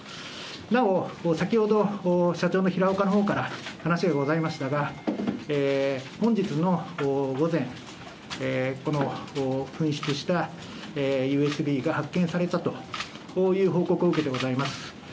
なお、先ほど社長のひらおかのほうから話がございましたが、本日の午前、この紛失したＵＳＢが発見されたという報告を受けてございます。